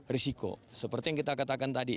risiko seperti yang kita katakan tadi